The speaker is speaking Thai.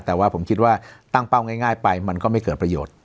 แต่ว่าผมคิดว่าตั้งเป้าง่ายไปมันก็ไม่เกิดประโยชน์